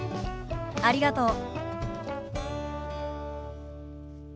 ありがとう。